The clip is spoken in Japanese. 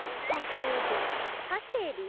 パセリ？